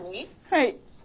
はい。